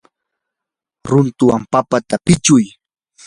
runtuwan papata pichuy.